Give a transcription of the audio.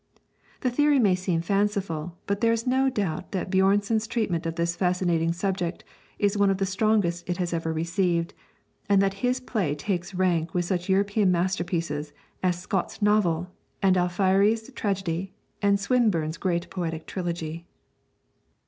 The theory may seem fanciful, but there is no doubt that Björnson's treatment of this fascinating subject is one of the strongest it has ever received, and that his play takes rank with such European masterpieces as Scott's novel, and Alfieri's tragedy, and Swinburne's great poetic trilogy.